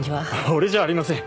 俺じゃありません。